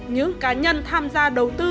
những cá nhân tham gia đầu tư